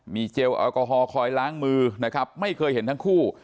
มีเจลแอลกอฮอลคอยล้างมือนะครับไม่เคยเห็นทั้งคู่